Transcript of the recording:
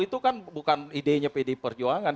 itu kan bukan idenya pdi perjuangan